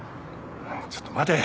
ちょっと待て。